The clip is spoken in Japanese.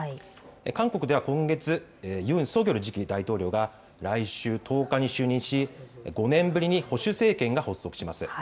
韓国では今月ユン・ソギョル次期大統領が来週１０日に就任し５年ぶりに保守政権が発足します。